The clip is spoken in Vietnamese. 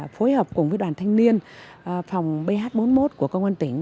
phối hợp cùng với đoàn thanh niên phòng bh bốn mươi một của công an tỉnh